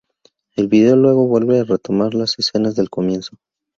El vídeo luego vuelve a retomar las escenas del comienzo.